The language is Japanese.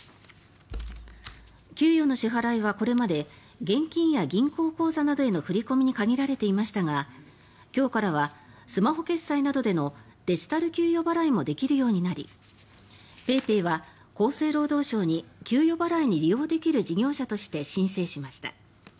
給与の支払いはこれまで現金や銀行口座などへの振り込みに限られていましたが今日からはスマホ決済などでのデジタル給与払いもできるようになりＰａｙＰａｙは厚生労働省に給与払いに利用できる事業者として申請しました。